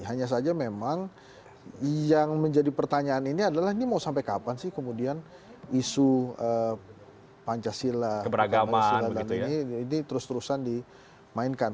hanya saja memang yang menjadi pertanyaan ini adalah ini mau sampai kapan sih kemudian isu pancasila dan ini terus terusan dimainkan